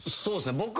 そうですね。